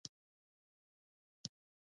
احمد بيا پر خبره څرخ کېښود.